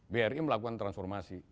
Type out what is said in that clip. bri melakukan transformasi